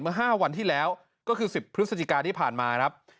เมื่อ๕วันที่แล้วก็คือ๑๐พฤศจิกาที่ผ่านมาครับ